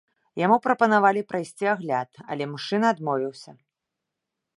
Яму прапанавалі прайсці агляд, але мужчына адмовіўся.